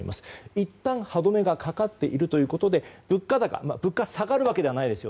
いったん歯止めがかかっているというだけで物価高物価が下がるわけではないですよ